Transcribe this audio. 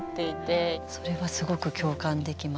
それはすごく共感できます。